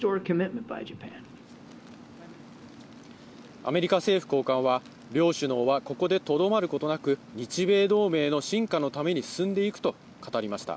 アメリカ政府高官は両首脳はここでとどまることなく、日米同盟の深化のために進んでいくと語りました。